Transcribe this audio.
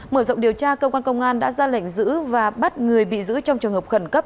mở rộng điều tra cơ quan công an đã ra lệnh giữ và bắt người bị giữ trong trường hợp khẩn cấp